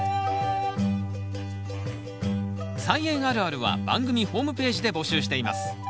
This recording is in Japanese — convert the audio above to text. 「菜園あるある」は番組ホームページで募集しています。